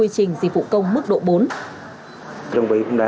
công mức độ bốn